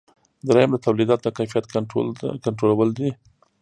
دریم د تولیداتو د کیفیت کنټرولول دي.